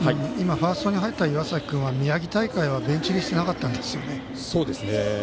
ファーストに入った岩崎君は地方大会はベンチ入りしてなかったんですよね。